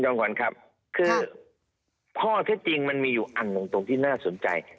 จังหวัญครับคือพ่อถ้าจริงมันมีอยู่อังตรงที่น่าสนใจ